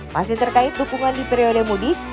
masih terkait dukungan di periode mudik